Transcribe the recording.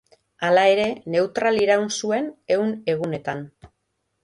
Hala ere, neutral iraun zuen Ehun Egunetan.